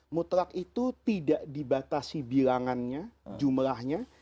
mutlak itu tidak dibatasi bilangannya jumlahnya